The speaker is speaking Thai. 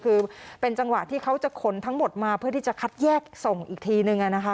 คือเป็นจังหวะที่เขาจะขนทั้งหมดมาเพื่อที่จะคัดแยกส่งอีกทีนึงนะคะ